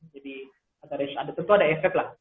jadi antara itu tentu ada efek lah